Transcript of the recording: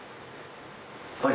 あれ？